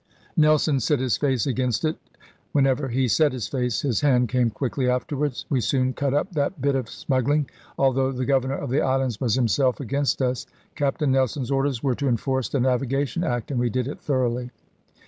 Nelson set his face against it; and whenever he set his face, his hand came quickly afterwards. We soon cut up that bit of smuggling, although the Governor of the Islands was himself against us. Captain Nelson's orders were to enforce the Navigation Act; and we did it thoroughly.